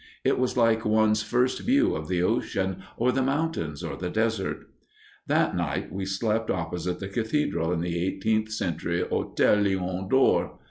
It was like one's first view of the ocean or the mountains or the desert. That night we slept opposite the cathedral in the eighteenth century Hôtel Lion d'Or.